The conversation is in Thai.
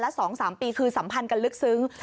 และ๒๓ปีคือสัมพันธ์กันลึกซึ้ง